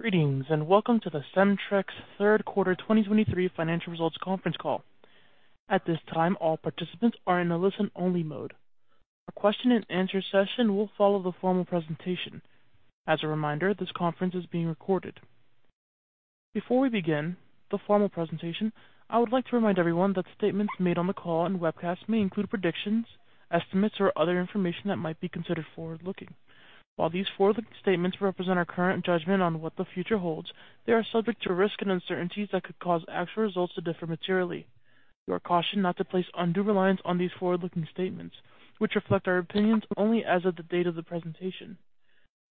Greetings, and welcome to the Cemtrex third quarter 2023 financial results conference call. At this time, all participants are in a listen-only mode. A question and answer session will follow the formal presentation. As a reminder, this conference is being recorded. Before we begin the formal presentation, I would like to remind everyone that statements made on the call and webcast may include predictions, estimates, or other information that might be considered forward-looking. While these forward-looking statements represent our current judgment on what the future holds, they are subject to risks and uncertainties that could cause actual results to differ materially. You are cautioned not to place undue reliance on these forward-looking statements, which reflect our opinions only as of the date of the presentation.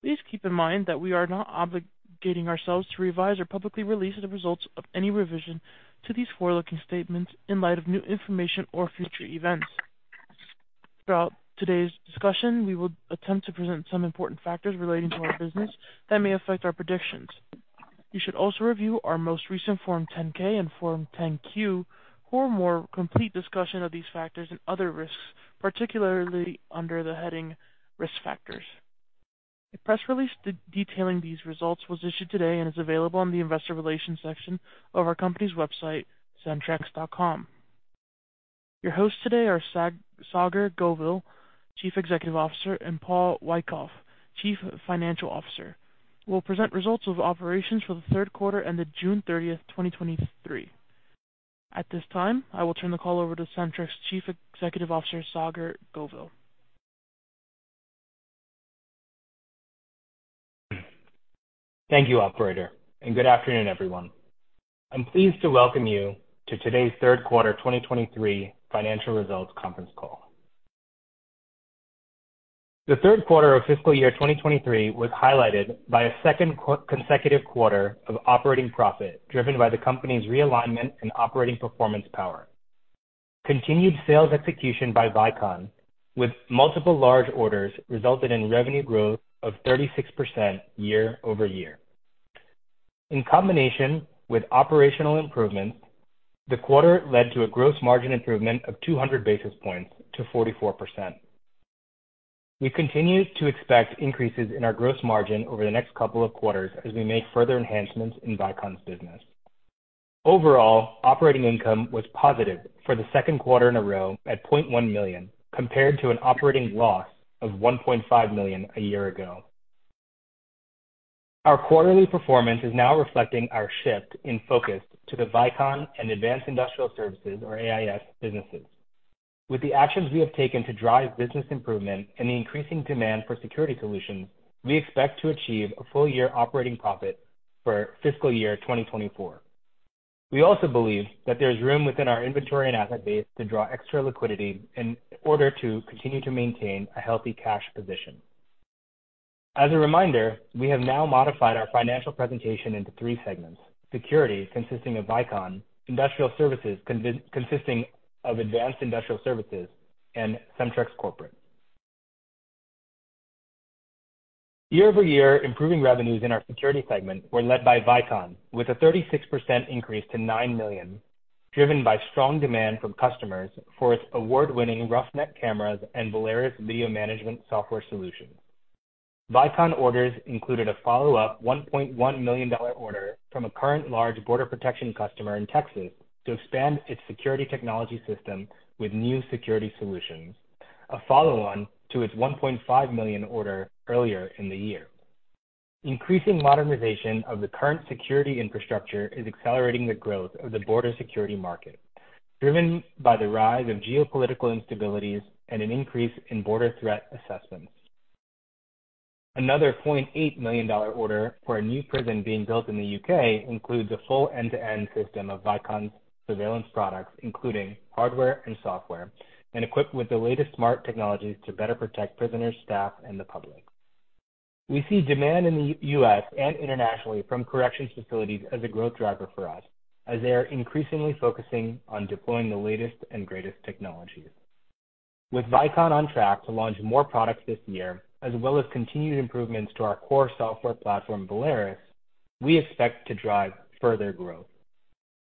Please keep in mind that we are not obligating ourselves to revise or publicly release the results of any revision to these forward-looking statements in light of new information or future events. Throughout today's discussion, we will attempt to present some important factors relating to our business that may affect our predictions. You should also review our most recent Form 10-K and Form 10-Q for a more complete discussion of these factors and other risks, particularly under the heading Risk Factors. A press release detailing these results was issued today and is available on the Investor Relations section of our company's website, cemtrex.com. Your hosts today are Saagar Govil, Chief Executive Officer, and Paul Wyckoff, Chief Financial Officer, will present results of operations for the third quarter ended June 30th, 2023. At this time, I will turn the call over to Cemtrex Chief Executive Officer, Saagar Govil. Thank you, operator. Good afternoon, everyone. I'm pleased to welcome you to today's third quarter 2023 financial results conference call. The third quarter of fiscal year 2023 was highlighted by a second consecutive quarter of operating profit, driven by the company's realignment and operating performance power. Continued sales execution by Vicon, with multiple large orders, resulted in revenue growth of 36% year-over-year. In combination with operational improvements, the quarter led to a gross margin improvement of 200 basis points to 44%. We continue to expect increases in our gross margin over the next couple of quarters as we make further enhancements in Vicon's business. Overall, operating income was positive for the second quarter in a row at $0.1 million, compared to an operating loss of $1.5 million a year ago. Our quarterly performance is now reflecting our shift in focus to the Vicon and Advanced Industrial Services, or AIS, businesses. With the actions we have taken to drive business improvement and the increasing demand for security solutions, we expect to achieve a full year operating profit for fiscal year 2024. We also believe that there is room within our inventory and asset base to draw extra liquidity in order to continue to maintain a healthy cash position. As a reminder, we have now modified our financial presentation into three segments: Security, consisting of Vicon, Industrial Services, consisting of Advanced Industrial Services and Cemtrex Corporate. Year-over-year, improving revenues in our security segment were led by Vicon, with a 36% increase to $9 million, driven by strong demand from customers for its award-winning Roughneck cameras and Valerus video management software solution. Vicon orders included a follow-up $1.1 million order from a current large border protection customer in Texas to expand its security technology system with new security solutions, a follow-on to its $1.5 million order earlier in the year. Increasing modernization of the current security infrastructure is accelerating the growth of the border security market, driven by the rise of geopolitical instabilities and an increase in border threat assessments. Another $0.8 million order for a new prison being built in the U.K. includes a full end-to-end system of Vicon's surveillance products, including hardware and software, and equipped with the latest smart technologies to better protect prisoners, staff, and the public. We see demand in the U.S. and internationally from corrections facilities as a growth driver for us, as they are increasingly focusing on deploying the latest and greatest technologies. With Vicon on track to launch more products this year, as well as continued improvements to our core software platform, Valerus, we expect to drive further growth.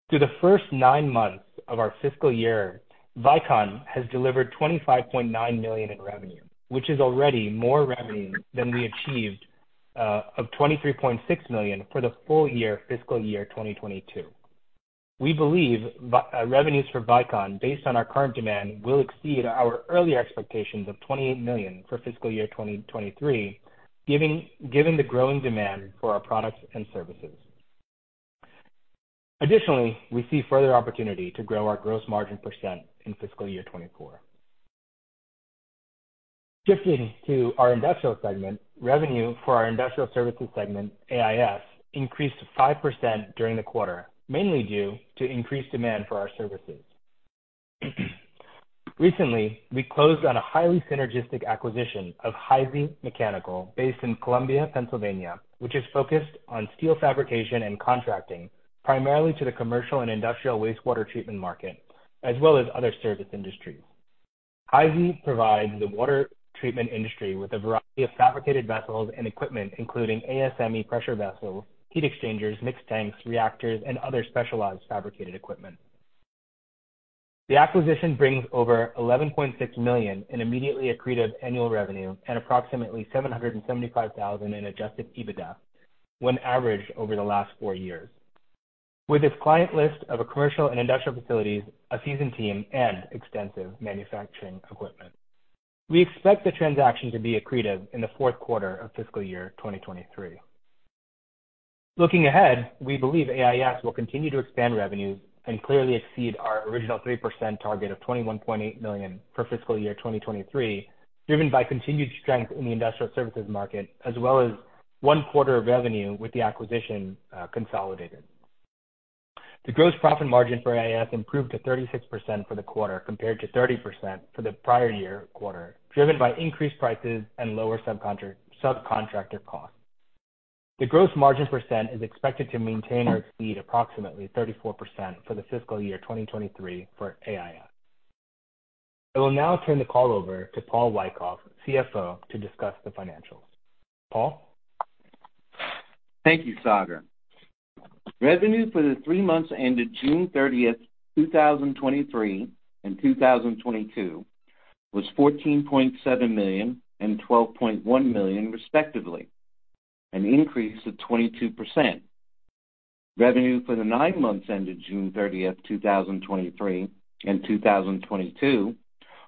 Through the first nine months of our fiscal year, Vicon has delivered $25.9 million in revenue, which is already more revenue than we achieved of $23.6 million for the full year, fiscal year 2022. We believe revenues for Vicon, based on our current demand, will exceed our earlier expectations of $28 million for fiscal year 2023, given the growing demand for our products and services. Additionally, we see further opportunity to grow our gross margin % in fiscal year 2024. Shifting to our industrial segment. Revenue for our industrial services segment, AIS, increased 5% during the quarter, mainly due to increased demand for our services. Recently, we closed on a highly synergistic acquisition of Heisey Mechanical, based in Columbia, Pennsylvania, which is focused on steel fabrication and contracting, primarily to the commercial and industrial wastewater treatment market, as well as other service industries. Heisey provides the water treatment industry with a variety of fabricated vessels and equipment, including ASME pressure vessels, heat exchangers, mixed tanks, reactors, and other specialized fabricated equipment....The acquisition brings over $11.6 million in immediately accretive annual revenue and approximately $775,000 in adjusted EBITDA, when averaged over the last 4 years. With its client list of a commercial and industrial facilities, a seasoned team, and extensive manufacturing equipment. We expect the transaction to be accretive in the fourth quarter of fiscal year 2023. Looking ahead, we believe AIS will continue to expand revenues and clearly exceed our original 3% target of $21.8 million for fiscal year 2023, driven by continued strength in the industrial services market as well as one quarter of revenue with the acquisition consolidated. The gross profit margin for AIS improved to 36% for the quarter, compared to 30% for the prior year quarter, driven by increased prices and lower subcontractor costs. The gross margin % is expected to maintain or exceed approximately 34% for the fiscal year 2023 for AIS. I will now turn the call over to Paul Wyckoff, CFO, to discuss the financials. Paul? Thank you, Saagar. Revenue for the three months ended June 30th, 2023 and 2022 was $14.7 million and $12.1 million, respectively, an increase of 22%. Revenue for the nine months ended June 30th, 2023 and 2022,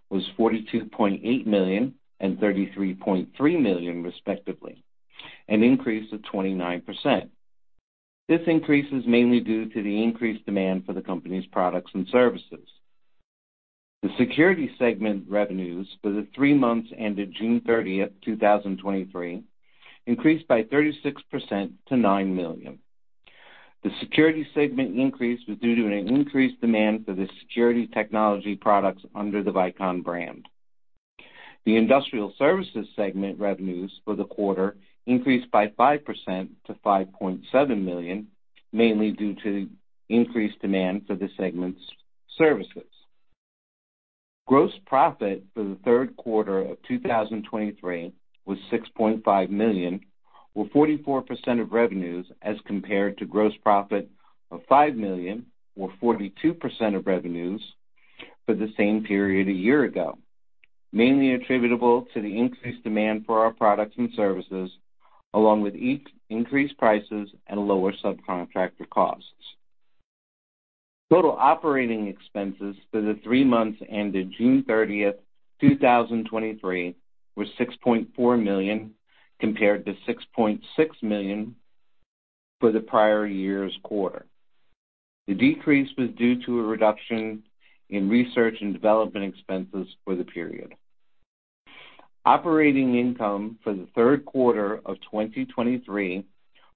was $42.8 million and $33.3 million, respectively, an increase of 29%. This increase is mainly due to the increased demand for the company's products and services. The security segment revenues for the three months ended June 30th, 2023, increased by 36% to $9 million. The security segment increase was due to an increased demand for the security technology products under the Vicon brand. The industrial services segment revenues for the quarter increased by 5% to $5.7 million, mainly due to increased demand for the segment's services. Gross profit for the third quarter of 2023 was $6.5 million, or 44% of revenues, as compared to gross profit of $5 million or 42% of revenues for the same period a year ago, mainly attributable to the increased demand for our products and services, along with increased prices and lower subcontractor costs. Total operating expenses for the three months ended June 30th, 2023, were $6.4 million, compared to $6.6 million for the prior year's quarter. The decrease was due to a reduction in research and development expenses for the period. Operating income for the third quarter of 2023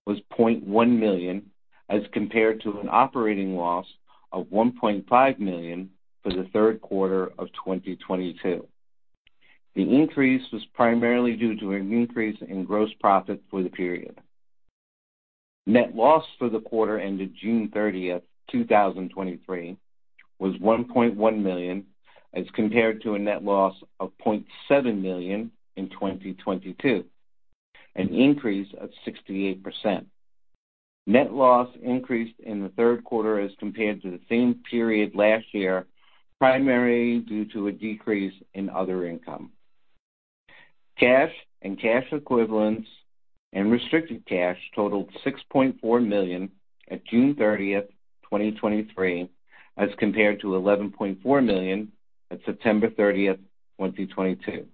was $0.1 million, as compared to an operating loss of $1.5 million for the third quarter of 2022. The increase was primarily due to an increase in gross profit for the period. Net loss for the quarter ended June 30, 2023, was $1.1 million, as compared to a net loss of $0.7 million in 2022, an increase of 68%. Net loss increased in the third quarter as compared to the same period last year, primarily due to a decrease in other income. Cash and cash equivalents and restricted cash totaled $6.4 million at June 30, 2023, as compared to $11.4 million at September 30, 2022.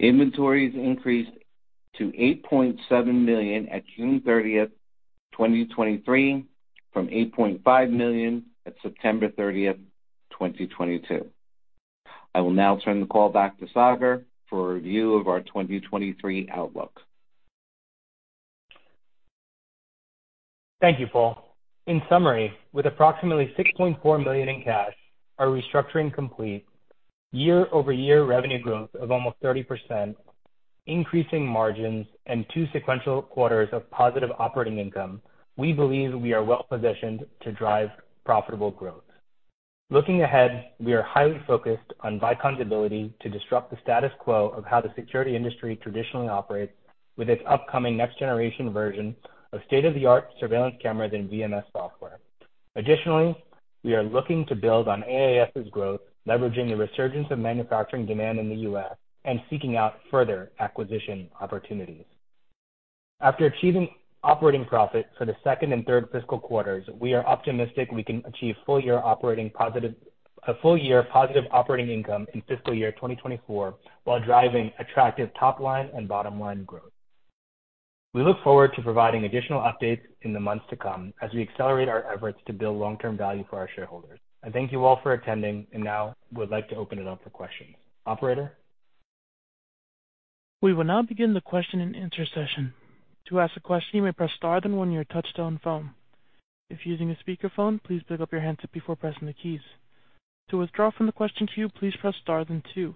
Inventories increased to $8.7 million at June 30, 2023, from $8.5 million at September 30, 2022. I will now turn the call back to Saagar for a review of our 2023 outlook. Thank you, Paul. In summary, with approximately $6.4 million in cash, our restructuring complete, year-over-year revenue growth of almost 30%, increasing margins, and two sequential quarters of positive operating income, we believe we are well positioned to drive profitable growth. Looking ahead, we are highly focused on Vicon's ability to disrupt the status quo of how the security industry traditionally operates with its upcoming next generation version of state-of-the-art surveillance cameras and VMS software. Additionally, we are looking to build on AIS's growth, leveraging the resurgence of manufacturing demand in the U.S. and seeking out further acquisition opportunities. After achieving operating profit for the second and third fiscal quarters, we are optimistic we can achieve a full year positive operating income in fiscal year 2024, while driving attractive top line and bottom line growth. We look forward to providing additional updates in the months to come as we accelerate our efforts to build long-term value for our shareholders. I thank you all for attending, and now we'd like to open it up for questions. Operator? We will now begin the question and answer session. To ask a question, you may press star then one on your touchtone phone. If using a speakerphone, please pick up your handset before pressing the keys. To withdraw from the question queue, please press star then two.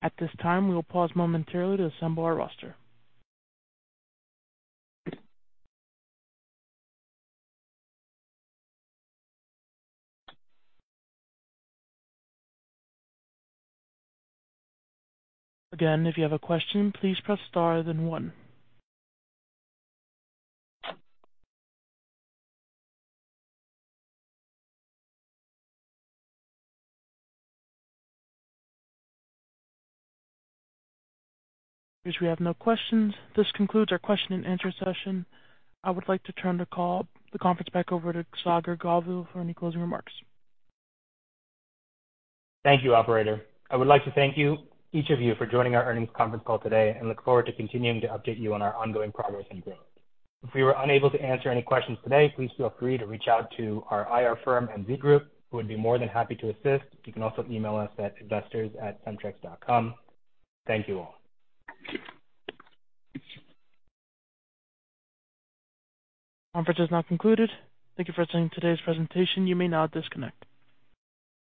At this time, we will pause momentarily to assemble our roster. Again, if you have a question, please press star and then one. As we have no questions, this concludes our question and answer session. I would like to turn the call, the conference back over to Saagar Govil for any closing remarks. Thank you, Operator. I would like to thank you, each of you, for joining our earnings conference call today and look forward to continuing to update you on our ongoing progress and growth. If we were unable to answer any questions today, please feel free to reach out to our IR firm, MZ Group, who would be more than happy to assist. You can also email us at investors@cemtrex.com. Thank you all. Conference is now concluded. Thank you for attending today's presentation. You may now disconnect.